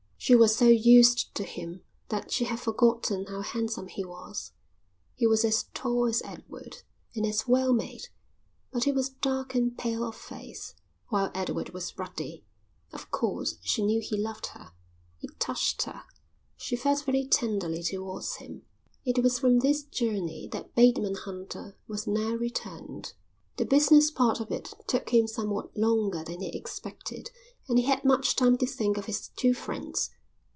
She was so used to him that she had forgotten how handsome he was. He was as tall as Edward and as well made, but he was dark and pale of face, while Edward was ruddy. Of course she knew he loved her. It touched her. She felt very tenderly towards him. It was from this journey that Bateman Hunter was now returned. The business part of it took him somewhat longer than he expected and he had much time to think of his two friends.